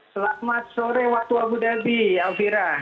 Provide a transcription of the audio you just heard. selamat sore waktu abu dhabi elvira